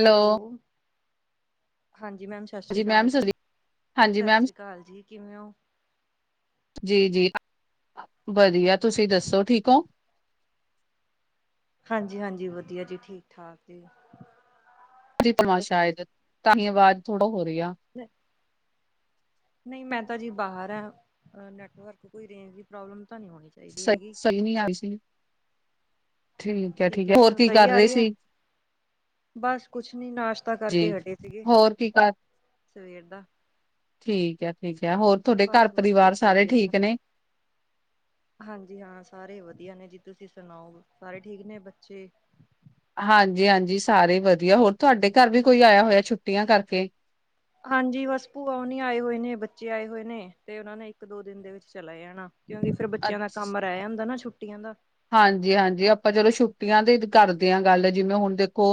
Hello! ਹਾਂਜੀ, ma'am ਜ਼ ਹਾਂਜੀ ਮੈਮ ਸਸਰੀ, ਹਾਂਜੀ ਮੈਮ ਅਕਾਲ ਜੀ! ਕਿਵੇਂ ਔ? ਜੀ-ਜੀ, ਵਧੀਆ। ਤੁਸੀਂ ਦੱਸੋ ਠੀਕ ਹੋਂ? ਹਾਂਜੀ-ਹਾਂਜੀ, ਵਧੀਆ ਜੀ। ਠੀਕ-ਠਾਕ ਜੇ। ਜੀ ਭਵਾਂ ਸ਼ਾਇਦ, ਤਾਂਹੀ ਆਵਾਜ਼ ਥੋੜਾ ਹੋ ਰਹੀ ਆ। ਹ ਨਹੀਂ, ਮੈਂ ਤਾਂ ਜੀ ਬਾਹਰ ਆ, ਨੈਟਵਰਕ, ਕੋਈ ਰੇਂਜ ਦੀ ਪ੍ਰੋਬਲਮ ਤਾਂ ਨਹੀਂ ਹੋਣੀ ਚਾਹੀਦੀ ਸਹੀ, ਹੈਗੀ। ਸਹੀ ਨੀ ਆਈ ਸੀ। ਠੀਕ ਹੈ, ਹੋਰ ਹੁਣ ਕੀ ਸਹੀ ਕਰ ਆ ਰਹੇ ਰਹੀ ਹੈ? ਸੀ ਬਸ ਕੁਛ ਨੀ ਨਾਸ਼ਤਾ ਜੀ ਕਰਕੇ ਹਟੇ ਸੀਗੇ, ਹੋਰ ਕੀ ਕਰ ਸਵੇਰ ਦਾ। ਠੀਕ ਹੈ, ਠੀਕ ਹੈ, ਹੋਰ ਤੁਹਾਡੇ ਬਸ ਵਧੀਆ ਘਰ-ਪਰਿਵਾਰ ਜੀ ਸਾਰੇ ਵਧੀਆ ਠੀਕ ਨੇ? ਹਾਂਜੀ ਹਾਂ, ਸਾਰੇ ਵਧੀਆ ਨੇ ਜੀ। ਤੁਸੀਂ ਸੁਣਾਓ, ਸਾਰੇ ਠੀਕ ਨੇ ਬੱਚੇ? ਹਾਂਜੀ-ਹਾਂਜੀ ਸਾਰੇ ਹੀ ਵਧੀਆ। ਹੋਰ, ਤੁਹਾਡੇ ਘਰ ਵੀ ਕੋਈ ਆਇਆ ਹੋਇਆ, ਛੁੱਟੀਆਂ ਕਰਕੇ? ਹਾਂਜੀ, ਬਸ ਭੂਆ ਹੁਨੀ ਆਏ ਹੋਏ ਨੇ, ਬੱਚੇ ਆਏ ਹੋਏ ਨੇ, ਤੇ ਉਹਨਾ ਨੇ ਇੱਕ-ਦੋ ਦਿਨ ਦੇ ਵਿੱਚ ਚਲੇ ਜਾਣਾਂ, ਕਿਉਂਕਿ ਫਿਰ ਬੱਚਿਆਂ ਦਾ ਕੰਮ ਰਹਿ ਜਾਂਦਾ ਨਾ ਛੁੱਟੀਆਂ ਦਾ। ਹਾਂਜੀ-ਹਾਂਜੀ, ਆਪਾਂ ਚਲੋ ਛੁੱਟੀਆਂ ਤੇ ਈ ਕਰਦੇ ਆਂ ਗੱਲ, ਜਿਵੇਂ ਹੁਣ ਦੇਖੋ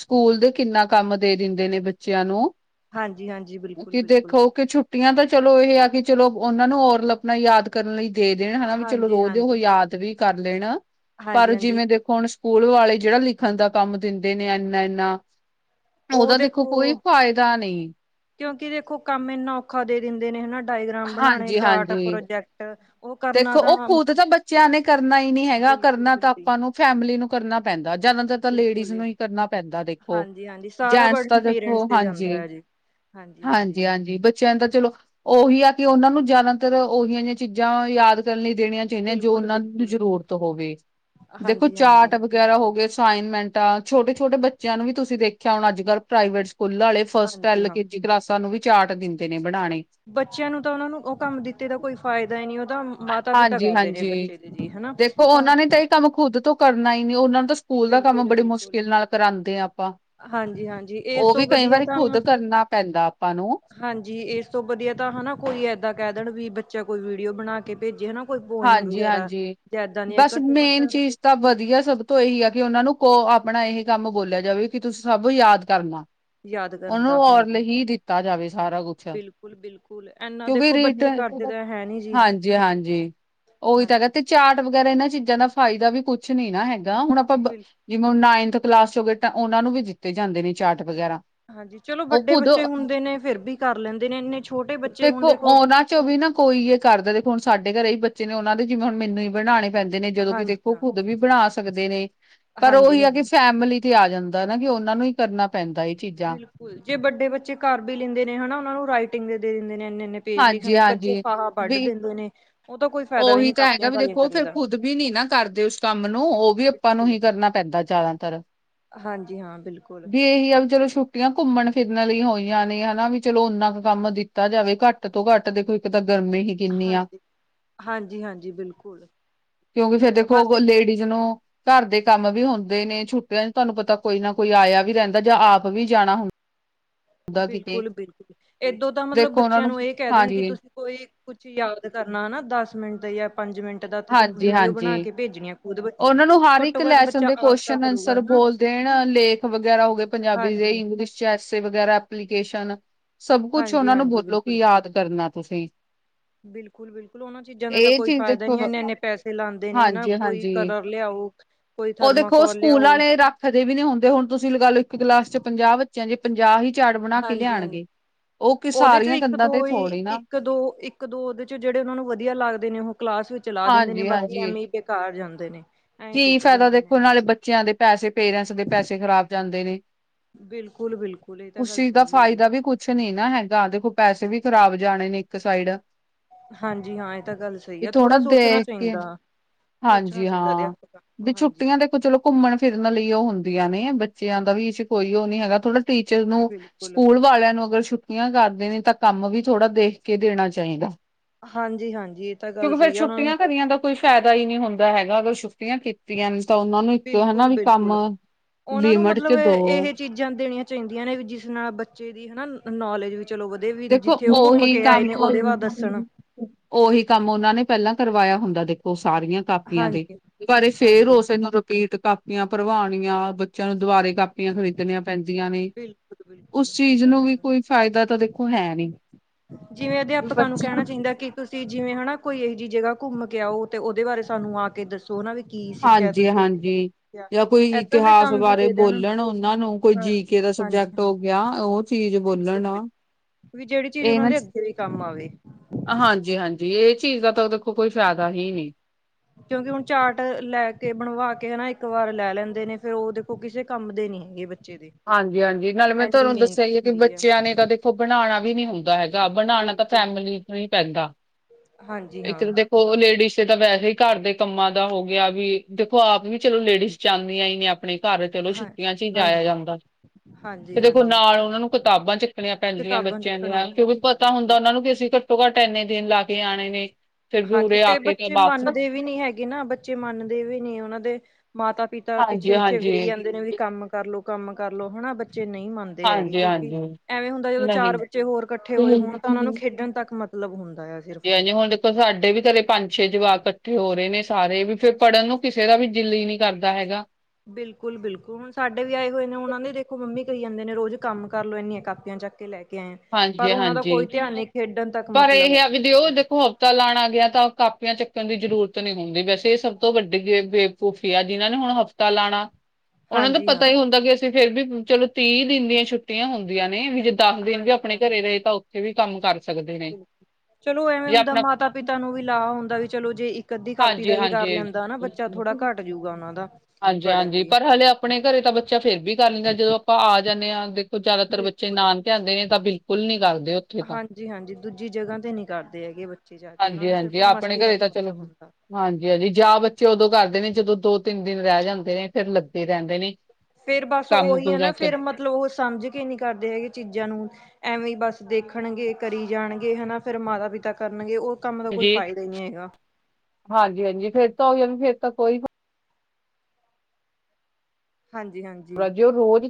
ਸਕੂਲ ਦੇ ਕਿੰਨਾ ਕੰਮ ਦੇ ਦਿੰਦੇ ਨੇ, ਬੱਚਿਆਂ ਨੂੰ। ਹਾਂਜੀ-ਹਾਂਜੀ, ਕੀ ਬਿਲਕੁਲ-ਬਿਲਕੁਲ, ਦੇਖੋ, ਕਿ ਛੁੱਟੀਆਂ ਤਾਂ ਚਲੋ ਇਹ ਆ ਕਿ, ਚਲੋ ਉਹਨਾ ਨੂੰ ਓਰਲ ਆਪਣਾ ਯਾਦ ਕਰਨ ਲਈ ਦੇ ਦੇਣ ਹਣਾ, ਵੀ ਚਲੋ ਰੋਜ਼ ਹਾਂਜੀ-ਹਾਂਜੀ, ਉਹ ਯਾਦ ਵੀ ਕਰ ਲੈਣ ਪਰ, ਹਾਂਜੀ-ਹਾਂਜੀ। ਜਿਵੇਂ ਦੇਖੋ ਹੁਣ ਸਕੂਲ ਵਾਲੇ, ਜਿਹੜਾ ਲਿਖਣ ਦਾ ਕੰਮ ਦਿੰਦੇ ਨੇ ਐਨਾ-ਐਨਾ ਉਹ ਦੇਖੋ ਫਾਇਦਾ ਨਹੀਂ। ਕਿਉਂਕਿ ਦੇਖੋ ਕੰਮ ਇੰਨਾ ਔਖਾ ਦੇ ਦਿੰਦੇ ਨੇ ਹਨ। ਹਾਂਜੀ ਹਾਂਜੀ। ਉਹ ਕਰਨਾ ਦੇਖੋ ਤਾਂ ਉਹ ਖੁਦ ਤਾਂ ਬੱਚਿਆਂ ਨੇ ਕਰਨਾ ਹੀ ਨੀ ਹੈਗਾ ਕਰਨਾ ਤਾਂ ਬਿਲਕੁਲ-ਬਿਲਕੁਲ, ਆਪਾਂ ਨੂੰ ਫੈਮਿਲੀ ਨੂੰ ਕਰਨਾ ਪੈਂਦਾ ਜਿਆਦਾਤਰ ਤਾਂ ਲੇਡੀਜ਼ ਬਿਲਕੁਲ ਈ ਨੂੰ ਹੀ ਕਰਨਾ ਪੈਂਦਾ ਦੇਖੋ ਹਾਂਜੀ-ਹਾਂਜੀ ਸਾਰਾ ਜੈਂਟਸ ਤਾਂ। ਬਰਡਨ ਪੇਰੈਂਟਸ ਦੇਖੋ ਤੇ ਜਾਂਦਾ ਹਾਂਜੀ ਹੈ ਜੀ। ਹਾਂਜੀ-ਹਾਂਜੀ, ਹਾਂਜੀ ਹਾਂਜੀ ਮੈਂ ਕਿਹਾ ਤਾਂ ਚਲੋ ਉਹੀ ਆ ਕਿ ਉਹਨਾਂ ਨੂੰ ਜ਼ਿਆਦਾਤਰ ਉਹੀ ਜਿਹੀਆਂ ਚੀਜ਼ਾਂ ਯਾਦ ਕਰਨ ਲਈ ਦੇਣੀਆਂ ਦੇ ਜੋ ਉਹਨਾਂ ਦੀ ਬਿਲਕੁਲ-ਬਿਲਕੁਲ, ਜ਼ਰੂਰਤ ਹੋਵੇ ਦੇਖੋ ਹਾਂਜੀ-ਹਾਂਜੀ, ਚਾਟ ਹਾਂਜੀ ਵਗੈਰਾ ਹੋ ਗਏ ਅਸਾਈਨਮੈਂਟ ਆ ਛੋਟੇ ਛੋਟੇ ਬੱਚਿਆਂ ਨੂੰ ਵੀ ਤੁਸੀਂ ਦੇਖਿਆ ਹੁਣ ਅੱਜ ਕੱਲ੍ਹ ਪ੍ਰਾਈਵੇਟ ਸਕੂਲਾਂ ਵਾਲੇ ਹਾਂਜੀ ਫਸਟ ਹਾਂਜੀ ਐਲ ਹਾਂ। ਕੇ ਜੀ ਗਲਾਸਾਂ ਨੂੰ ਵੀ ਚਾਰਟ ਦਿੰਦੇ ਨੇ ਬਣਾਉਣੇ ਬੱਚਿਆਂ ਨੂੰ ਤਾਂ ਉਹਨਾਂ ਨੂੰ ਉਹ ਕੰਮ ਦਿੱਤੇ ਦਾ ਕੋਈ ਫਾਇਦਾ ਹੀ ਨਹੀਂ ਉਹਦਾ ਮਾਤਾ ਪਿਤਾ ਕਰਦੇ ਨੇ ਹਾਂਜੀ-ਹਾਂਜੀ। ਬੱਚੇ ਦੇ ਜੀ ਹਨਾ ਦੇਖੋ ਤਾਂ ਉਹਨਾਂ ਨੇ ਇਹ ਕੰਮ ਖੁਦ ਤੋਂ ਕਰਨਾ ਹੀ ਨਹੀਂੀ ਉਹਨਾਂ ਨੂੰ ਤਾਂ ਸਕੂਲ ਦਾ ਕੰਮ ਬੜੀ ਬਿਲਕੁਲ-ਬਿਲਕੁਲ, ਮੁਸ਼ਕਿਲ ਨਾਲ ਕਰਾਉਂਦੇ ਹਾਂ ਆਪਾਂ ਹਾਂਜੀ-ਹਾਂਜੀ, ਇਸ ਉਹ ਤੋਂ ਵੀ ਕਈ ਵਧੀਆ ਵਾਰੀ ਤਾਂ ਖੁਦ ਕਰਨਾ ਪੈਂਦਾ ਆਪਾਂ ਨੂੰ ਹਾਂਜੀ ਇਸ ਤੋਂ ਵਧੀਆ ਤਾਂ ਹਨਾ ਕੋਈ ਇਦਾਂ ਕਹਿ ਦੇਣ ਵੀ ਬੱਚਾ ਕੋਈ ਵੀਡੀਓ ਬਣਾ ਕੇ ਭੇਜੇ ਹਨਾ ਕੋਈ ਪੋਇਮ ਵਗੈਰਾ ਹਾਂਜੀ-ਹਾਂਜੀ। ਇਦਾਂ ਨੀ ਹੈ ਬਸ ਘੱਟੋ ਘੱਟ ਮੇਨ ਚੀਜ਼ ਤਾਂ ਵਧੀਆ ਸਭ ਤੋਂ ਇਹੀ ਆ ਕਿ ਉਹਨਾਂ ਨੂੰ ਕੋ ਆਪਣਾ ਇਹ ਹੀ ਕੰਮ ਬੋਲਿਆ ਜਾਵੇ ਕਿ ਤੁਸੀਂ ਸਭ ਯਾਦ ਕਰਨਾ ਯਾਦ ਕਰਨ ਦਾ ਉਹਨੂੰ ਔਰਲ ਹਾਂਜੀ ਹੀ ਦਿੱਤਾ ਜਾਵੇ ਸਾਰਾ ਕੁਛ ਬਿਲਕੁਲ ਬਿਲਕੁਲ ਇਨਾ ਕਿਉਂਕਿ ਦੇਖੋ ਬੱਚੇ ਰੀਟਨ ਕਰਦੇ ਤਾਂ ਹੈ ਨੀ ਜੀ ਹਾਂਜੀ ਹਾਂਜੀ। ਉਹੀ ਤਾਂ ਹੈਗਾ ਹਾਂਜੀ ਤੇ ਚਾਟ ਵਗੈਰਾ ਇਹਨਾਂ ਚੀਜ਼ਾਂ ਦਾ ਫਾਇਦਾ ਵੀ ਕੁਛ ਨੀ ਨਾ ਹੈਗਾ ਹੁਣ ਆਪਾਂ ਬਿਲ ਜਿਵੇਂੁ ਨਾਈਨਥ ਕਲਾਸ ਚ ਹੋ ਗਏ ਉਹਨਾਂ ਨੂੰ ਵੀ ਦਿੱਤੇ ਜਾਂਦੇ ਨੇ ਚਾਰਟ ਵਗੈਰਾ ਹਾਂਜੀ ਚਲੋ ਉਹ ਵੱਡੇ ਬੱਚੇ ਖੁਦ ਹੁੰਦੇ ਨੇ ਫਿਰ ਵੀ ਕਰ ਲੈਂਦੇ ਨੇ ਇੰਨੇ ਛੋਟੇ ਬੱਚੇ ਹੁਣ ਦੇਖੋ ਵੀ ਨਾ ਕੋਈ ਇਹ ਕਰਦਾ ਦੇਖੋ ਹੁਣ ਸਾਡੇ ਘਰੇ ਹੀ ਬੱਚੇ ਨੇ ਉਹਨਾਂ ਦੇ ਜਿਵੇਂ ਹੁਣ ਮੈਨੂੰ ਹੀ ਬਣਾਉਣੇ ਪੈਂਦੇ ਨੇ ਜਦੋਂ ਕਿ ਹਾਂਜੀ ਦੇਖੋ ਹਾਂ ਖੁੱਦ ਵੀ ਬਣਾ ਸਕਦੇ ਨੇ ਪਰ ਹਾਂਜੀ ਉਹੀ ਹੈ ਕਿ ਹਾਂਜੀ ਫੈਮਿਲੀ ਆ ਜਾਂਦਾ ਨਾ ਕਿ ਉਹਨਾ ਨੂੰ ਹੀ ਕਰਨਾ ਪੈਂਦਾ ਚੀਜ਼ਾਂ ਬਿਲਕੁਲ ਜੇ ਵੱਡੇ ਬੱਚੇ ਘਰ ਵੀ ਲੈਂਦੇ ਨੇ ਹਨਾ ਉਹ ਨੂੰ ਰਾਈਟਿੰਗ ਦੇ ਦਿੰਦੇ ਨੇ ਇੰਨੇ ਇਨੇ ਪੇਜ ਲਿਖਣ ਬੱਚੇ ਹਾਂਜੀ-ਹਾਂਜੀ ਫਾਹ ਵੱਢ ਵੀ ਦਿੰਦੇ ਨੇ ਉਹ ਤਾਂ ਕੋਈ ਫਾਇਦਾ ਵੀ ਉਹੀ ਨੀ ਤਾਂ ਹੈਗਾ ਕਾਪੀਆਂ ਵੀ ਕਾਲੀਆਂ ਦੇਖੋ ਕਰੇ ਫੇਿਰ ਦਾ ਖੁਦ ਵੀ ਨੀ ਨਾ ਕਰਦੇ ਉਸ ਕੰਮ ਨੂੰ ਉਹ ਵੀ ਆਪਾਂ ਨੂੰ ਬਿਲਕੁਲ ਹੀ ਕਰਨਾ ਪੈਂਦਾ ਜ਼ਿਆਦਾਤਰ ਹਾਂਜੀ ਹਾਂ ਬਿਲਕੁਲ ਵੀ ਇਹੀ ਆ ਵੀ ਚਲੋ ਸ਼ੁੱਕ। ਛੁੱਟੀਆਂ ਘੁੰਮਣ ਫਿਰਨ ਲਈ ਹੋਈਆਂ ਨੇ ਹਨਾ ਵੀ ਚਲੋ ਓਨਾ ਕੁ ਕੰਮ ਦਿੱਤਾ ਜਾਵੇ ਘੱਟ ਤੋਂ ਘੱਟ ਦੇਖੋ ਇੱਕ ਤਾਂ ਗਰਮੀ ਹੀ ਕਿੰਨੀ ਆ ਹਾਂਜੀ, ਹਾਂਜੀ, ਹਾਂਜੀ ਬਿਲਕੁਲ ਕਿਉਂਕਿ ਇਹ ਫੇਰ ਤਾਂ ਹੈਗਾ ਬਸ ਦੇਖੋ ਲੇਡੀਜ਼ ਨੂੰ ਘਰ ਦੇ ਕੰਮ ਵੀ ਹੁੰਦੇ ਨੇ ਛੁੱਟਿਆਂ ਚ ਤੁਹਾਨੂੰ ਪਤਾ ਕੋਈ ਨਾ ਕੋਈ ਆਇਆ ਵੀ ਰਹਿੰਦਾ ਜਾਂ ਆਪ ਵੀ ਜਾਣਾ ਹੁੰਦਾ। ਕਿਤੇ ਬਿਲਕੁਲ, ਬਿਲਕੁਲ ਏਦੋਂ ਤਾਂ ਮਤਲਬ ਦੇਖੋ ਉਹਨਾਂ ਬੱਚਿਆਂ ਨੂੰ ਇਹ ਕਹਿ ਦੇਣ ਕਿ ਹਾਂਜੀ ਤੁਸੀਂ ਕੋਈ ਕੁਛ ਯਾਦ ਕਰਨਾ ਨਾ ਦਸ ਮਿੰਟ ਦਾ ਜਾਂ ਪੰਜ ਮਿੰਟ ਦਾ ਤੇ ਤੂੰ ਹਾਂਜੀ ਵੀਡੀਓ ਬਣਾ ਹਾਂਜੀ ਕੇ ਭੇਜਣੀਆਂ। ਉਹਨਾਂ ਨੂੰ ਹਰ ਇੱਕ ਲੈਸਨ ਦੇ ਤਾਂ ਕੁਸ਼ਚਨ ਕਰੂਗਾ ਆਂਸਰ ਹਨਾ ਬੋਲਦੇਣ ਲੇਖ ਵਗੈਰਾ ਹੋ ਗਏ। ਪੰਜਾਬੀ ਹਾਂਜੀ ਦੇ ਇੰਗਲਿਸ਼ ਚ ਐੇ ਵਗੈਰਾ ਐਪਲੀਕੇਸ਼ਨ, ਸਭ ਕੁਛ ਹਾਂਜੀ ਉਹਨਾ ਨੂੰ ਹਾਂਜੀ ਬੋਲੋ ਕਿ ਬਿਲਕੁਲ ਯਾਦ ਕਰਨਾ ਤੁਸੀਂ, ਬਿਲਕੁਲ, ਬਿਲਕੁਲ ਉਹਨਾਂ ਚੀਜ਼ਾਂ ਦਾ ਤਾਂ ਇਹ ਕੋਈ ਚੀਜ਼ ਫਾਇਦਾ ਦੇਖੋ ਨਹੀਂੀ ਇਨੇ ਇੰਨੇ ਪੈਸੇ ਲਾਉਦੇ ਨੇ ਹਨਾ ਹਾਂਜੀ ਕੋਈ। ਹਾਂਜੀ ਕਲਰ ਲਿਆਊ ਉਹ ਦੇਖੋ ਸਕੂਲ ਵਾਲੇ ਰੱਖਦੇ ਵੀ ਨੀ ਹੁੰਦੇ ਹੁਣ ਤੁਸੀਂ ਲਗਾ ਲਓ ਇੱਕ ਕਲਾਸ ਚ ਪੰਜਾਬ ਚ ਜੇ ਪੰਜਾਹ ਹੀ ਚਾਟ ਬਣਾ ਕੇ ਹਾਂਜੀ ਹਾਂਜੀ ਲਿਆਉਣਗੇ। ਉਹਦੇ ਚੋਂ ਇੱਕ ਦੋ ਹੀ ਨਾ ਇੱਕ ਦੋ ਇੱਕ, ਇਕ ਦੋ ਚ ਜਿਹੜੇ ਉਹ ਨੂੰ ਵਧੀਆ ਲੱਗਦੇ ਨੇ ਉਹ ਕਲਾਸ ਵਿਚ ਲਾ ਦਿੰਦੇ ਨੇ ਹਾਂਜੀ ਬਾਕੀ ਐ ਹਾਂਜੀ ਬੇਕਾਰ ਜਾਂਦੇ ਨੇ, ਐਂ ਕੀ ਸੁੱਟ ਫਾਇਦਾ ਦਿੰਦੇ ਨੇ ਦੇਖੋ, ਉਹ ਨਾਲੇ ਬੱਚਿਆਂ ਦੇ ਪੈਸੇ ਪੇਰੈਂਟਸ ਦੇ ਪੈਸੇ ਖ਼ਰਾਬ ਜਾਂਦੇ ਨੇ, ਬਿਲਕੁਲ, ਬਿਲਕੁਲ ਇਹ ਤਾਂ ਉਸ ਗੱਲ ਚੀਜ਼ ਦਾ ਸਹੀ ਹੈ ਜੀ। ਫਾਇਦਾ ਵੀ ਕੁਛ ਨ ਨਹੀਂ ਨਾ ਹੈਗਾ, ਦੇਖੋ ਪੈਸੇ ਵੀ ਖ਼ਰਾਬ ਜਾਣੇ ਨੇ ਇੱਕ ਸਾਈਡ, ਹਾਂਜੀ ਹਾਂ ਇਹ ਤਾਂ ਗੱਲ ਸਹੀ ਵੀ ਆ ਥੋੜਾ ਥੋੜ੍ਹਾ ਸੋਚਣਾ ਦੇਖ ਕੇ ਚਾਹੀਦਾ ਸੋਚਣਾ ਹਾਂਜੀ ਚਾਹੀਦਾ ਹਾਂ ਅਧਿਆਪਕਾਂ ਵੀ ਨੂੰ। ਹਾਂਜੀ ਛੁੱਟੀਆਂ ਦੇਖੋ ਚਲੋ ਘੁੰਮਣ ਫਿਰਨ ਲਈ ਉਹ ਹੁੰਦੀਆਂ ਨੇ ਬੱਚਿਆਂ ਦਾ ਵੀ ਇਸ ਕੋਈ ਉਹ ਨੀ ਹੈਗਾ ਥੋੜਾ ਟੀਚਰ ਨੂੰ ਬਿਲਕੁਲ ਸਕੂਲ ਵਾਲਿਆਂ ਨੂੰ ਅਗਰ ਛੁੱ ਛੁੱਟੀਆਂ ਕਾਰਦੇ ਨੇ ਤਾਂ ਕੰਮ ਵੀ ਥੋੜਾ ਦੇਖ ਕੇ ਦੇਣਾ ਚਾਹੀੰਦਾ ਹਾਂਜੀ-ਹਾਂਜੀ, ਇਹ ਤਾਂ ਗੱਲ ਸਹੀ ਆ ਓਨਾਂ ਨੂੰ ਕਰੀਆਂ ਦਾ ਕੋਈ ਫਾਇਦਾ ਈ ਨੀ ਹੁੰਦਾ ਹੈਗਾ, ਅਗਰ ਛੁੱਟੀਆਂ ਕੀਤ ਤੀਆਂ ਨੇ ਤਾਂ ਉਹਨਾ ਨੂੰ ਇੱਕ ਹਨਾ ਬਿਲਕੁਲ ਵੀ ਕੰਮ ਬਿਲਕੁਲ ਲਿਮਿਟ ਚ ਦੋ। ਜਾਂ ਦੇਣੀਆਂ ਚਾਈਦੀਆਂ ਨੇ, ਵੀ ਜਿਸ ਨਾਲ ਬੱਚੇ ਦੀ ਹਨਾ ਨੌਲੇਜ ਵਿੱਚ ਚਲੋ ਵਧੇ ਵੀ ਦੇਖੋ ਜਿੱਥੇ ਉਹ ਘੁੰਮ ਕੇ ਆਏ ਨੇ, ਉਹਦੇ ਵਾਦ ਦੱਸਣ। ਓਹੀ ਕੰਮ ਓਨਾਂ ਨੇ ਪਹਿਲਾਂ ਕਰਵਾਇਆ ਹੁੰਦਾ ਦੇਖ ਓ ਸਾਰੀਆਂ ਕਾਪੀਆਂ ਦੇ ਹਾਂਜੀ ਬਾਰੇ ਫੇਰ ਹਾਂਜੀ ਹਾਂਜੀ ਉਸੇਨੂੰ ਕਾਪੀਆਂ ਭਰਵਾਣੀਆਂ, ਬੱਚੇਆਂ ਨੂੰ ਦੁਬਾਰੇ ਕਾਪੀਆਂ ਖਰੀਦਨੀਆਂ ਪੈਂਦੀਆਂ ਨੇ, ਬਿਲਕੁਲ-ਬਿਲਕੁਲ ਉਸ ਇਹ ਚੀਜ਼ ਤਾਂ ਨੂੰ ਵੀ ਹੈਗਾ। ਕੋਈ ਫਾਏਦਾ ਤਾਂ ਦ ਜਿਵੇਂ ਅਧੇਆਪਕਾਂ ਨੂੰ ਬੱਚੇ ਕਹਿਣਾ ਚਾਈਂਦਾ ਕੇ ਤੁਸੀਂ ਜਿਵੇਂ ਹਨਾ, ਕੋਈ ਇਹ ਜੀ ਜਗਾ ਘੁੰਮ ਕੇ ਆਓ ਤੇ ਉਹਦੇ ਬਾਰੇ ਸਾਨੂੰ ਆ ਕੇ ਦੱਸੋ। ਨਾ ਵੀ ਕੀ ਸਿੱਖਿਆ ਤੁਸੀਂ ਉੱਥੇ ਕੀ ਹਾਂਜੀ-ਹਾਂਜੀ। ਸਿੱਖਿਆ। ਜਾਂ ਕੋਈ ਏਦਾਂ ਦੇ ਇਤਿਹਾਸ ਕੰਮ ਵੀ ਬਾਰੇ ਦੇ ਦੇਣ ਬੋਲਣ ਓਨਾਂ ਨੂੰ, ਕੋਈ ਹਾਂ ਜੀ ਕੇ ਦਾ ਹਾਂਜੀ-ਹਾਂਜੀ ਸਬਜੈਕਟ ਹੋ ਗਿਆ, ਉਹ ਚੀਜ਼ ਬੋਲਣ ਆ। ਬਿਲਕੁਲ-ਬਿਲਕੁਲ ਵੀ ਜਿਹੜੀ ਚੀਜ਼ ਉਹਨਾਂ ਦੇ ਅੱਗੇ ਵੀ ਕੰਮ ਆਵੇ। ਹਾਂਜੀ-ਹਾਂਜੀ, ਇਹ ਚੀਜ਼ ਦਾ ਤਾਂ ਦੇਖੋ ਕੋਈ ਫ਼ਾਇਦਾ ਹੀ ਨੀ। ਕਿਉਂਕਿ, ਹੁਣ ਚਾਟ ਲੈ ਕੇ ਬਣਵਾ ਕੇ ਹਨਾ, ਇੱਕ ਵਾਰ ਲੈ ਲੈਂਦੇ ਨੇ ਫੇਰ ਉਹਦੇ ਉਹ ਕਿਸੇ ਕੰਮ ਦੇ ਨੀ ਹੈਗੇ ਬੱਚੇ ਦੇ। ਹਾਂਜੀ-ਹਾਂਜੀ, ਨਾਲੇ ਮੈਂ ਇੰਨੀ ਤੁਹਾਨੂੰ ਮਿਹਨਤ ਦੱਸਿਆ ਵੀ ਈ ਕੇ, ਹੁੰਦੀ ਹੈ ਬੱਚਿਆਂ ਨੇ ਤਾਂ ਦੇਖੋ ਬਣਾਉਣਾ ਵੀ ਨੀ ਹੁੰਦਾ ਹੈਗਾ। ਬਣਾਣਾ ਤਾਂ ਬਿਲਕੁਲ ਫੈਮਲੀ ਨੂੰ ਹੀ ਪੈਂਦਾ, ਹਾਂਜੀ ਹਾਂ ਇਥਰ ਦੇਖੋ ਓ ਲੇਡੀਜ਼ ਤਾਂ ਵੈਹੇ ਹੀ ਘਰ ਦੇ ਕੰਮਾਂ ਦਾ ਹੋ ਗਿਆ, ਵੀ ਦੇਖੋ ਆਪ ਵੀ ਚਲੋ ਲੇਡੀਜ਼ ਜਾਂਦੀਆਂ ਈ ਨੇ ਆਪਣੇ ਘਰ ਚਲੋ ਹਾਂ ਛੁੱਟੀਆਂ ਚੀ ਜਾਇਆ ਜਾਂਦਾ। ਤੇ ਦੇਖੋ ਹਾਂਜੀ-ਹਾਂਜੀ-ਹਾਂਜੀ ਨਾਲ ਉਹਨਾਂ ਨੂੰ ਕਿਤਾਬਾਂ ਚੱਕਣੀਆਂ ਪੈਂਦੀਆਂ ਕਿਤਾਬਾਂ ਬੱਚਿਆਂ ਚੱਕਣੀਆਂ ਦੀਆਂ, ਕਿਉਂਕਿ ਪੈਂਦੀਆਂ ਜੀ ਪਤਾ ਹੁੰਦਾ ਬਿਲਕੁਲ ਉਹਨਾਂ ਨੂੰ ਕਿ ਅਸੀਂ ਘੱਟੋ-ਘਟ ਐਂਨੇ ਦਿਨ ਲਾ ਕੇ ਆਣੇ ਨੇ। ਫਿਰ ਵੀ ਹਾਂਜੀ ਉਰੇ ਆ ਤੇ ਕੇ ਬੱਚੇ ਵਾਪਸ ਮੰਨਦੇ ਵੀ ਵੀ ਨੀ ਹੈਗੇ ਨਾ, ਬੱਚੇ ਮੰਨਦੇ ਵੀ ਨੀ ਉਹਨਾਂ ਦੇ ਮਾਤਾ ਪਿਤਾ ਪਿੱਛੇ ਪਿੱਛੇ ਹਾਂਜੀ-ਹਾਂਜੀ, ਫਿਰੀ ਜਾਂਦੇ ਨੇ ਵੀ ਕੰਮ ਕਰਲੋ ਕੰਮ ਕਰਲੋ ਹਨਾ, ਬੱਚੇ ਨਹੀਂ ਮੰਨਦੇ ਹੈਗੇ ਕਿਉਂਕਿ ਹਾਂਜੀ-ਹਾਂਜੀ ਐਵੇਂ ਹੁੰਦਾ ਜਦੋਂ ਚਾਰ ਨਹੀਂ ਬੱਚੇ ਹੋਰ ਕੱਠੇ ਹੋਏ ਹੋਣ ਤਾਂ ਉਹਨਾਂ ਨੂੰ ਹਾਂਜੀ ਖੇਡਣ ਤੱਕ ਮਤਲਬ ਹੁੰਦਾ ਆ ਸਿਰਫ ਹਾਂਜੀ ਹੁਣ ਦੇਖੋ ਸਾਡੇ ਵੀ ਘਰੇ ਪੰਜ ਛੇ ਜਵਾਕ ਕੱਠੇ ਹੋ ਰਹੇ ਨੇ ਸਾਰੇ, ਵੀ ਫੇਰ ਪੜ੍ਹਨ ਨੂੰ ਕਿਸੇ ਦਾ ਵੀ ਦਿਲ ਈ ਨੀ ਕਰਦਾ ਹੈਗਾ। ਬਿਲਕੁਲ-ਬਿਲਕੁਲ, ਹੁਣ ਸਾਡੇ ਵੀ ਆਏ ਹੋਏ ਨੇ ਉਹਨਾਂ ਨੇ ਦੇਖੋ ਮੰਮੀ ਕਈ ਜਾਂਦੇ ਨੇ ਰੋਜ਼ ਕੰਮ ਕਰ ਲਓ ਏਨੀਆਂ ਕਾਪੀਆਂ ਚੈਕ ਲੈ ਕੇ ਆਏ ਆਂ, ਪਰ ਹਾਂਜੀ ਉਹਨਾਂ ਦਾ ਹਾਂਜੀ ਕੋਈ ਧਿਆਨ ਨਹੀਂ ਖੇਡਣ ਤੱਕ ਮਤਲਬ ਐ। ਓ ਦੇਖੋ ਤਾਂ ਲਾਣਾ ਗਿਆ ਤਾਂ ਕਾਪੀਆਂ ਚੱਕਣ ਦੀ ਜ਼ਰੂਰਤ ਨਹੀਂ ਹੁੰਦੀ, ਵੈਸੇ ਇਹ ਸਭ ਤੋਂ ਵੱਡੀ ਬੇਵ ਬੇਵਕੂਫੀ ਆ ਜਿਨਾਂ ਨੇ ਹੁਣ ਹ ਤਾਂ ਲਾਣਾ ਉਹਨਾਂ ਨੂੰ ਹਾਂਜੀ ਹਾਂ ਪਤਾ ਹੀ ਹੁੰਦਾ ਕਿ ਅਸੀਂ ਫੇਰ ਵੀ ਚਲੋ, ਤੀਹ ਦਿਨ ਦੀਆਂ ਛੁੱਟੀਆਂ ਹੁੰਦੀਆਂ ਨੇ ਵੀ ਜੇ ਦੱਹ ਦਿਨ ਵੀ ਆ ਹਾਂਜੀ ਆਪਣੇ ਹਾਂਜੀ ਘਰੇ ਰਹੇ ਤਾਂ ਉੱਥੇ ਵੀ ਕੰਮ ਕਰ ਸਕਦੇ ਨੇ, ਜੇ ਆਪਣਾ ਓਨਾਂ ਨੂ ਵੀ ਲਾ ਹੁੰਦਾ ਵੀ ਚਲੋ ਜੇ ਇੱਕ ਅੱਧੀ ਕਾਪੀ ਦਾ ਹਾਂਜੀ ਵੀ ਕਰ ਲੈਂਦਾ ਨਾ ਬੱਚਾ, ਥੋੜਾ ਘੱਟ ਹਾਂਜੀ ਜੂਗਾ ਉਹਨਾ ਦਾ ਬੜਨ ਹਾਂਜੀ-ਹਾਂਜੀ ਵੀ ਪਰ ਹਾਲੇ ਆਪਣੇ ਘਰੇ ਤਾਂ ਬੱਚਾ ਫੇਰ ਵੀ ਕਰ ਲੈਂਦਾ ਜਦੋਂ ਆਪਾਂ ਆ ਜਾਂਨੇ ਆ ਦੇਖੋ ਜਿਆਦਾਤਰ ਬੱਚੇ ਬਿਲਕੁਲ ਨਾਨ ਲਿਆਂਦੇ ਨੇ ਤਾਂ ਬਿਲਕੁਲ ਨੀ ਕਰਦੇ ਉੱਥੇ ਤਾਂ ਹਾਂਜੀ-ਹਾਂਜੀ, ਦੂਜੀ ਜਗਾ ਤੇ ਨਹੀਂ ਕਰਦੇ ਹੈਗੇ ਬੱਚੇ ਜਾ ਕੇ, ਉਹਨਾਂ ਨੂੰ ਸਿਰਫ਼ ਹਾਂਜੀ-ਹਾਂਜੀ ਆਪਣੇ ਮਸਤੀ ਘਰੇ ਤੱਕ ਤਾਂ ਚਲੋ ਮਤਲਬ ਹੁੰਦਾ। ਹਾਂਜੀ-ਹਾਂਜੀ, ਜਾ ਬੱਚੇ ਉਦੋਂ ਕਰਦੇ ਨੇ ਜਦੋਂ ਦੋ-ਤਿੰਨ ਦਿਨ ਰਹਿ ਜਾਂਦੇ ਨੇ ਫੇਰ ਲੱਦੇ ਰਹਿੰਦੇ ਨੇ। ਫੇਰ ਬਸ ਕੰਮ ਓਹੀ ਹੈ ਨਾ, ਪੂਰਾ ਕਰ ਫੇਰ ਮਤਲਬ ਉਹ ਸਮਝ ਕੇ ਨਹੀਂ ਕਰਦੇ ਹੈਗੇ ਚੀਜ਼ਾਂ ਨੂੰ ਐਵੇਂ ਈ ਬਸ ਦੇਖਣਗੇ ਕਰੀ ਜਾਣਗੇ ਹਨਾ, ਫੇਰ ਮਾਤਾ-ਪਿਤਾ ਕਰਨਗੇ ਉਹ ਕੰਮ ਦਾ ਕੋਈ ਜੀ ਫਾਇਦਾ ਈ ਨਹੀਂ ਹੈਗਾ। ਹਾਂਜੀ-ਹਾਂਜੀ, ਫੇਰ ਤਾਂ ਓਹੀ ਹੈ ਫੇਰ ਤਾਂ ਕੋਈ ਹਾਂਜੀ-ਹਾਂਜੀ। ਰਜਿਓ ਰੋਜ਼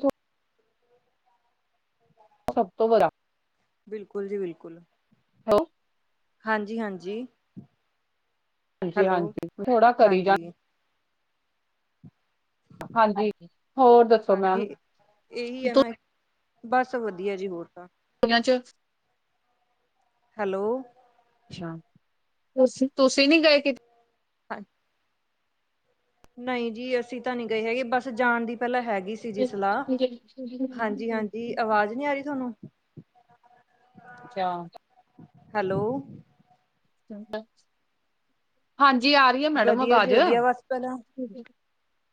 ਥੋੜਾ ਸਭ ਤੋਂ ਬੜਾ ਬਿਲਕੁਲ ਜੀ ਬਿਲਕੁਲ [unintelligible] ਹਾਂਜੀ ਹਾਂਜੀ, ਹੈਲੋ ਹਾਂਜੀ-ਹਾਂਜੀ ਥੋੜਾ ਕਰੀ ਜਾ ਹਾਂਜੀ ਹਾਂਜੀ, ਹੋਰ ਦੱਸੋ ਮੈਮ ਹਾਂਜੀ ਇਹੀ ਹੈ ਨਾ, ਬਸ ਵਧੀਆ ਜੀ ਹੋਰ ਤਾਂ ਛੁੱਟੀਆਂ ਚ ਹੈਲੋ ਅੱਛਾ, ਤੁਸੀ, ਤੁਸੀਂ ਨੀ ਗਏ ਕਿਤੇ ਹਾਂਜੀ ਨਹੀਂ ਜੀ, ਅਸੀਂ ਤਾਂ ਨਹੀਂ ਗਏ ਹੈਗੇ, ਬਸ ਜਾਣ ਦੀ ਪਹਿਲਾਂ ਹੈਗੀ ਸੀ। ਜੀ ਕਿਤੇ ਸਲਾਹ, ਹਾਂਜੀ ਹਾਂਜੀ, ਆਵਾਜ਼ ਨਹੀਂ ਆ ਰਹੀ ਤੁਹਾਨੂੰ ਕਯਾ ਹੈਲੋ ਹਾਂਜੀ, ਆ ਰਹੀ ਐ, ਮੈਡਮ ਵਧੀਆ ਜੀ ਆਵਾਜ਼ ਵਧੀਆ ਬਸ ਪਹਿਲਾਂ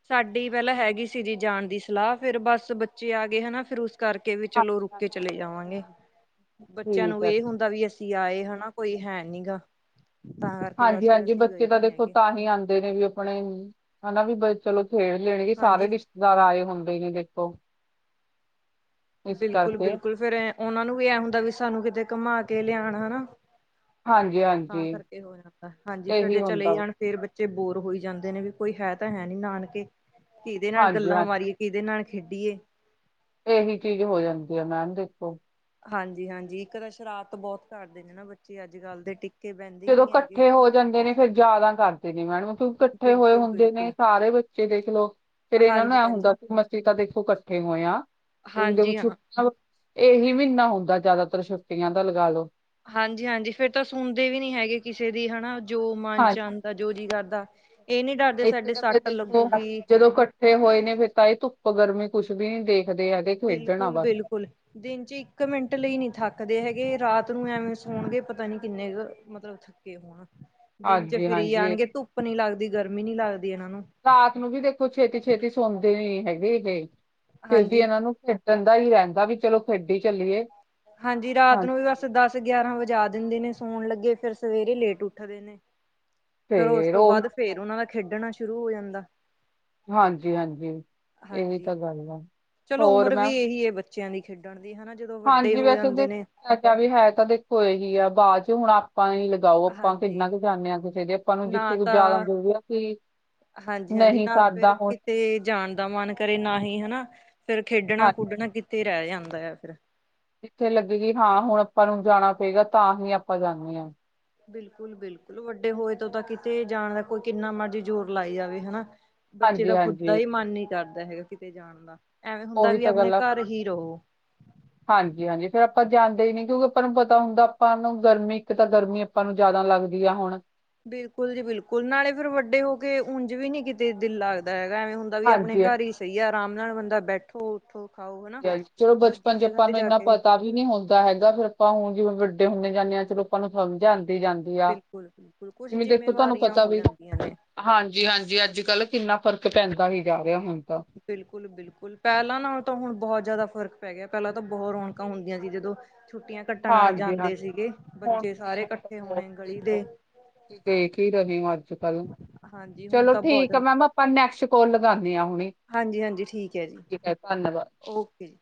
ਸਾਡੀ ਪਹਿਲਾਂ ਹੈਗੀ ਸੀ ਜੀ ਜਾਣ ਦੀ ਸਲਾਹ, ਫੇਰ ਬਸ ਬੱਚੇ ਆ ਗਏ ਹੈਨਾ, ਫਿਰ ਉਸ ਕਰਕੇ ਵੀ ਚਲੋ ਹਾਂਜੀ ਰੁਕ ਕੇ ਹਾਂਜੀ, ਚਲੇ ਜਾਵਾਂਗੇ, ਬੱਚਿਆਂ ਠੀਕ ਨੂੰ ਹੈ। ਇਹੀ ਹੁੰਦਾ, ਵੀ ਅਸੀਂ ਦੀ ਆਏ ਹੈਨਾ, ਕੋਈ ਹੈ ਨੀ ਗਾ ਤਾਂ ਕਰਕੇ ਹਾਂਜੀ ਬਸ ਫਿਰ ਹਾਂਜੀ, ਅਸੀਂ ਬੱਚੇ ਗਏ ਤਾਂ ਨੀ ਦੇਖੋ ਹੈਗੇ ਤਾਂ ਹੀ ਆਉਂਦੇ ਨੇ ਵੀ ਔ ਆਪਣੇ ਹੈਨਾ, ਵੀ ਬੀ ਚਲੋ ਖੇਡ ਲੈਣਗੇ, ਸਾਰੇ ਹਾਂਜੀ ਰਿਸ਼ਤੇਦਾਰ ਆਏ ਹੁੰਦੇ ਨੇ ਦੇਖੋ। ਇਸ ਬਿਲਕੁਲ ਕਰਕੇ। ਬਿਲਕੁਲ, ਫੇਰ ਐ ਉਹਨਾਂ ਨੂੰ ਵੀ ਇਹ ਹੁੰਦਾ, ਵੀ ਸਾਨੂੰ ਕਿਤੇ ਘੁੰਮਾ ਕੇ ਲਿਆਉਣ ਹੈਨਾ। ਹਾਂਜੀ ਹਾਂਜੀ ਤਾਂ ਕਰਕੇ ਹੋ ਜਾਂਦਾ, ਹਾਂਜੀ ਫੇਰ ਇਹੀ ਜੇ ਚਲੇ ਈ ਹੁੰਦਾ ਜਾਣ ਫੇਰ ਬੱਚੇ ਬੋਰ ਹੋਈ ਜਾਂਦੇ ਨੇ, ਵੀ ਕੋਈ ਹੈ ਤਾਂ ਹੈ ਨੀ ਨਾਨਕੇ, ਕਿਹਦੇ ਨਾਲ ਹਾਂਜੀ ਗੱਲਾਂ ਹਾਂਜੀ, ਮਾਰੀਏ। ਕੀਹਦੇ ਨਾਲ ਖੇਡੀਏ ਇਹੀ ਚੀਜ਼ ਹੋ ਜਾਂਦੀ ਹੈ, ਮੈਡਮ ਦੇਖੋ ਹਾਂਜੀ ਹਾਂਜੀ, ਇੱਕ ਤਾਂ ਸ਼ਰਾਰਤ ਬਹੁਤ ਕਰਦੇ ਨੇ ਨਾ ਬੱਚੇ ਅੱਜ ਕੱਲ੍ਹ ਦੇ, ਟਿਕ ਜਦੋਂ ਇਕੱਠੇ ਹੋ ਜਾਂਦੇ ਨੇ, ਫੇਰ ਜ਼ਿਆਦਾ ਕਰਦੇ ਨੇ ਮੈਡਮ ਤੂੰ ਇਕੱਠੇ ਹੋਏ ਬਿਲਕੁਲ ਹੁੰਦੇ ਨੇ ਬਿਲਕੁਲ ਸਾਰੇ ਬੱਚੇ ਦੇਖਲੋ, ਫੇਰ ਇਹਨਾਂ ਨੂੰ ਹਾਂਜੀ ਐ ਹਾਂਜੀ ਹੁੰਦਾ ਸੀ ਤਾਂ ਦੇਖੋ ਇਕੱਠੇ ਹੋਏ ਆ, ਤੇ ਦੇਖੋ ਹਾਂਜੀ ਛੁੱ ਹਾਂ ਇਹੀ ਮਹੀਨਾ ਹੋਊਗਾ ਜ਼ਿਆਦਾਤਰ ਛੁੱਟਿਆਂ ਦਾ, ਲਗਾ ਲੋ। ਹਾਂਜੀ ਹਾਂਜੀ, ਫੇਰ ਤਾਂ ਸੁਣਦੇ ਵੀ ਨੀ ਹੈਗੇ ਕਿਸੇ ਦੀ, ਹੈਨਾ। ਜੋ ਮਨ ਚ ਆਉਂਦਾ, ਜੋ ਹਾਂਜੀ ਜੀ ਕਰਦਾ, ਇਹ ਨੀ ਡਰਦੇ, ਇੱਥੇ ਸਾਡੇ ਤਾਂ ਫਿਰ ਸੱਟ ਦੇਖੋ ਲੱਗੂਗੀ। ਜਦੋਂ ਇਕੱਠੇ ਹੋਏ ਨੇ, ਫਿਰ ਤਾਂ ਇਹ ਧੁੱਪ ਗਰਮੀ ਕੁੱਛ ਵੀ ਨੀ ਦੇਖਦੇ ਹੈਗੇ। ਖੇਡਣਾ ਬਸ ਬਿਲਕੁਲ-ਬਿਲਕੁਲ। ਦਿਨ ਚ ਇੱਕ ਮਿੰਟ ਲਈ ਨੀ ਥੱਕਦੇ ਹੈਗੇ, ਰਾਤ ਨੂੰ ਐਵੇਂ ਸੌਣਗੇ, ਪਤਾ ਨੀ ਕਿੰਨੇ ਕੁ ਮਤਲਬ ਥੱਕੇ ਹੋਣ, ਦਿਨ ਚ ਹਾਂਜੀ ਫਿਰ ਹਾਂਜੀ ਇਹ ਆਣਗੇ, ਤਾਂ। ਧੁੱਪ ਨੀ ਲੱਗਦੀ ਗਰਮੀ ਨੀ ਲੱਗਦੀ ਇਹਨਾਂ ਨੂੰ। ਰਾਤ ਨੂੰ ਵੀ ਦੇਖੋ, ਛੇਤੀ ਛੇਤੀ ਸੌਣਦੇ ਨੀ ਹੈਗੇ ਏਹ, ਫਿਰ ਵੀ ਹਾਂਜੀ ਇਹਨਾਂ ਨੂੰ ਖੇਡਣਦਾ ਦਾ ਹੀ ਰਹਿੰਦਾ, ਵੀ ਚਲੋ ਖੇਡੀ ਚੱਲੀਏ। ਹਾਂਜੀ ਰਾਤ ਨੂੰ ਵੀ ਹਾਂਜੀ ਬਸ ਦਸ ਗਿਆਰਾਂ ਵਜੇ ਦਿੰਦੇ ਨੇ ਸੋਣ ਲੱਗੇ, ਫੇਰ ਸਵੇਰੇ ਲੇਟ ਉੱਠਦੇ ਨੇ। ਫੇਰ ਉਸ ਤੋਂ ਉਹੀ ਬਾਅਦ, ਤਾਂ ਹੈ ਫੇਰ ਉਹਨਾ ਦਾ ਖੇਡਣਾ ਸ਼ੁਰੂ ਹੋ ਜਾਂਦਾ। ਹਾਂਜੀ-ਹਾਂਜੀ, ਇਹੀ ਹਾਂਜੀ ਤਾਂ ਗੱਲ ਐ, ਚਲੋ ਹੋਰ ਉਮਰ ਵੀ ਮੈਂਡਮ ਇਹੀ ਹੈ ਬੱਚਿਆਂ ਦੀ ਖੇਡਣ ਦੀ, ਹੈਨਾ ਜਦੋਂ ਵੱਡੇ ਹੋ ਜਾਂਦੇ ਨੇ। ਮੈਂ ਕੇਹਾਆ ਵੀ ਹੈ ਤਾਂ ਦੇਖੋ ਇਹੀ ਐ, ਬਾਅਦ ਚ ਹੁਣ ਆਪਾਂ ਨ ਲੱ। ਅਉ ਆਪਾਂ ਇੰਨਾ ਹਾਂਜੀ ਕੁ ਜਾਂਨੇ ਆਂ, ਕਿਸੇ ਦੇ ਆਪਾਂ ਨੂੰ ਨਾ ਜਿੱਥੇ ਕੁ ਜ਼ਿਆਦਾ ਤਾਂ ਜ਼ਰੂਰੀ। ਹਾਂਜੀ-ਹਾਂਜੀ, ਨਹੀਂ ਨਾ ਫਿਰ ਸਰਦਾ ਹੁਣ ਕਿਤੇ ਜਾਣ ਦਾ ਮਨ ਕਰੇ ਨਾ ਹੀ ਹੈਨਾ, ਫਿਰ ਖੇਡਣਾ ਹਾਂਜੀ ਕੁਡਣਾ। ਤੇ ਰਹਿ ਜਾਂਦਾ ਐ ਫਿਰ। ਜਿੱਥੇ ਲੱਗੇਗੀ, ਹਾਂ ਹੁਣ ਆਪਾਂ ਨੂੰ ਜਾਣਾ ਪਏਗਾ, ਤਾਂ ਹੀ ਆਪਾਂ ਜਾਂਨੇ ਹਾਂ ਬਿਲਕੁਲ ਬਿਲਕੁਲ, ਵੱਡੇ ਹੋਏ ਤੋਂ ਤਾਂ ਕਿਤੇ ਜਾਣ ਦਾ, ਕੋਈ ਕਿੰਨਾ ਮਰਜ਼ੀ ਜ਼ੋਰ ਲਾਈ ਜਾਵੇ, ਹੈਨਾ ਬੱਚੇ ਹਾਂਜੀ, ਦਾ ਖੁਦ ਦਾ ਹਾਂਜੀ ਹੀ ਮਨ ਨੀ ਕਰਦਾ ਹੈਗਾ, ਕਿਤੇ ਜਾਣ ਦਾ ਐਵੇਂ ਹੁੰਦਾ ਉਹੀ ਵੀ ਤਾਂ ਆਪਣੇ ਗੱਲ ਐ ਘਰ ਹੀ ਰਹੋ ਹਾਂਜੀ-ਹਾਂਜੀ। ਫੇਰ ਆਪਾਂ ਜਾਂਦੇ ਹੀ ਨਹੀਂ। ਕਿਉਂਕਿ ਆਪਾਂ ਨੂੰ ਪਤਾ ਹੁੰਦਾ ਆਪਾਂ ਨੂੰ ਗਰਮੀ ਇੱਕ ਤਾਂ ਗਰਮੀ। ਆਪਾਂ। ਨੂੰ। ਜਿਆਦਾ। ਲੱਗਦੀ। ਹਾਂ। ਬਿਲਕੁਲ। ਜੀ। ਬਿਲਕੁਲ। ਨਾਲੇ। ਫਿਰ। ਵੱਡੇ। ਹੋ। ਕੇ। ਉਂਝ। ਵੀ। ਨੀ। ਕਿਤੇ। ਦਿਲ। ਲੱਗਦਾ। ਹੈਗਾ। ਐਵੇਂ। ਹ। ਉਹ। ਵੀ। ਆਪਣੇ। ਹਾਂਜੀ ਘਰ। ਹੀ। ਸਹੀ। ਹੈ। ਆਰਾਮ। ਨਾਲ। ਬੰਦਾ। ਬੈਠੋ। ਠੋ। ਖਾਓ। ਹਨਾ। ਚਲੋ ਦੂਜੀ। ਬਚਪਨ ਚ ਜਗ੍ਹਾ। ਆਪਾਂ ਤੇ। ਨੂੰ ਜਾ। ਇੰਨਾ ਕੇ ਪਤਾ ਵੀ। ਨੀ। ਹੁੰਦਾ। ਹੈਗਾ। ਫੇਰ। ਆਪਾਂ। ਹੁਣ। ਜਿਵੇਂ। ਵੱਡੇ। ਹੁੰਦੇ। ਜਾਂਦੇ। ਹਾਂ। ਚ। ਲੋਕਾਂ। ਨੂੰ। ਸਮਝ। ਆਂਉਦੇ। ਜਾਂਦੇ। ਵਧੀਆ। ਬਿਲਕੁਲ-ਬਿਲਕੁਲ ਕੁਛ ਜਿਵੇਂ। ਦੇਖੋ। ਤੁਹਾਨੂੰ। ਜਿੰਮੇਵਾਰੀਆਂ ਪਤਾ। ਹੋ ਜਾਂਦੀਆਂ ਵੀਗਾ। ਨੇ ਹਾਂਜੀ। ਹਾਂਜੀ। ਅੱਜ। ਕੱਲ। ਕਿੰਨਾ। ਫ਼ਰਕ। ਪੈਂਦਾ। ਹੀ। ਜਾ। ਰਿਹਾ। ਹੁਣ। ਤਾਂ। ਬਿਲਕੁਲ -ਬਿਲਕੁਲ ਪਹਿਲਾਂ ਨਾਲ ਤਾਂ ਹੁਣ ਬਹੁਤ ਜ਼ਿਆਦਾ ਫ਼ਰਕ ਪੈ ਗਿਆ ਪਹਿਲਾਂ ਤਾਂ ਬਹੁਤ ਰੌਣਕਾਂ ਹੁੰਦੀਆਂ ਸੀ ਜਦੋਂ। ਛੁੱਟੀਆਂ। ਕੱਟਣ। ਆ ਹਾਂਜੀ ਜਾਂਦੇ। ਹਾਂਜੀ ਸੀਗੇ। ਬੱਚੇ। ਸਾਰੇ। ਇਕੱਠੇ। ਹੋਣੇ। ਗਲੀ। ਦੇ। ਤੁ। ਦੇਖ। ਹੀ। ਰਹੇ। ਹੋ। ਅੱਜ। ਕੱਲ। ਹਾਂਜੀ ਹੁਣ ਚਲੋ। ਤਾਂ ਬਹੁਤ ਠੀਕ। ਆ। ਜ਼ਿਆਦਾ ਮੈਮ। ਆਪਾਂ। ਨੈਕਸਟ। ਕੋਲ। ਲਗਾਉਂਦੇ। ਹਾਂ। ਹੁਣੇ। ਹਾਂਜੀ-ਹਾਂਜੀ। ਠੀਕ। ਹੈ। ਜੀ। ਠੀਕ ਧੰਨਵਾਦ ਓਕੇ। ਜੀ।